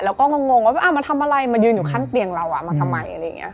แล้วก็งงว่ามาทำอะไรมายืนอยู่ข้างเตียงเรามาทำไม